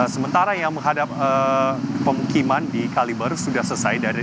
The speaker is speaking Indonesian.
sementara yang menghadap pemukiman di kaliber sudah selesai